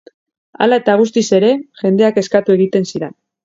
Hala eta guztiz ere, jendeak eskatu egiten zidan.